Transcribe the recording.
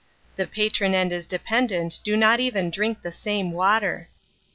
The patron and his dependant do not even drink the same water.